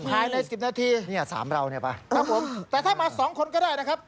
ภายในสิบนาทีเนี่ยสามเราเนี่ยป่ะครับผมแต่ถ้ามาสองคนก็ได้นะครับ